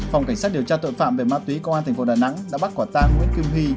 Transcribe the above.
phòng cảnh sát điều tra tội phạm về ma túy công an tp đà nẵng đã bắt quả tan nguyễn kim huy